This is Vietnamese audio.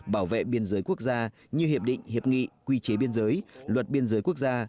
bảo vệ biên giới quốc gia như hiệp định hiệp nghị quy chế biên giới luật biên giới quốc gia